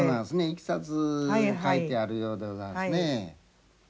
いきさつ書いてあるようでございますね。